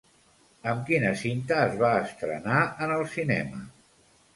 Amb quina cinta es va estrenar en el cinema?